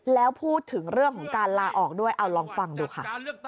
แล้วพูดถึงเรื่องของการลาออกด้วยเอาลองฟังดูค่ะ